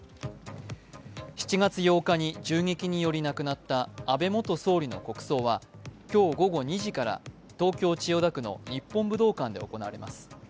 ７月８日に銃撃により亡くなった安倍元総理の国葬は今日午後２時から、東京・千代田区の日本武道館で行われます。